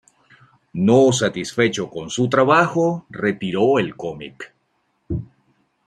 No satisfecho con su trabajo, retiró el cómic.